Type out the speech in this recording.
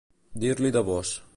Dir-li de vós.